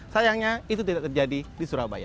sayangnya itu tidak terjadi di surabaya